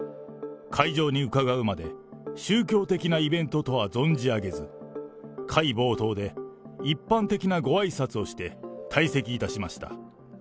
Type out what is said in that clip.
会場に伺うまで、宗教的なイベントとは存じ上げず、会冒頭で、一般的なごあいさつをして、退席いたしました。